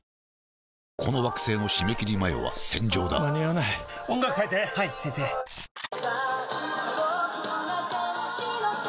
この惑星の締め切り前は戦場だ間に合わない音楽変えて！はいっ！